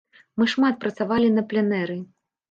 Мы шмат працавалі на пленэры.